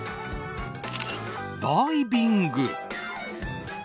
ダイビング。